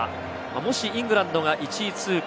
もしイングランドが１位通過。